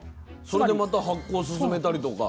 それでまた発酵を進めたりとか？